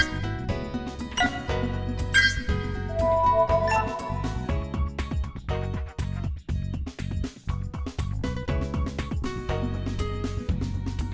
hẹn gặp lại